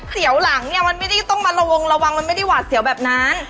เสียวหลังเนี่ยมันไม่ได้ต้องมาระวงระวังมันไม่ได้หวาดเสียวแบบนั้น